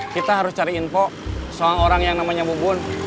kita harus cari info soal orang yang namanya bubun